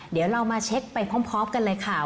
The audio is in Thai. เดี๋ยวเรามาเช็คไปพร้อมกันเลยค่ะ